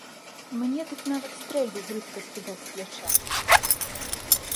Мне дык нават стрэльбу брыдка скідаць з пляча.